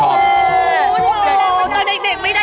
แล้วไม่ได้